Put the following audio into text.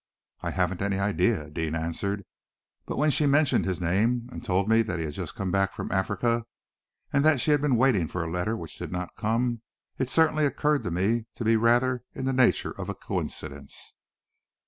"I haven't any idea," Deane answered, "but when she mentioned his name, and told me that he had just come back from Africa, and that she had been waiting for a letter which did not come, it certainly occurred to me to be rather in the nature of a coincidence!"